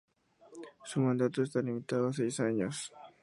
Su mandato está limitado a seis años.